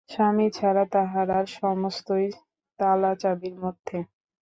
স্বামী ছাড়া তাঁহার আর সমস্তই তালাচাবির মধ্যে।